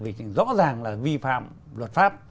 vì rõ ràng là vi phạm luật pháp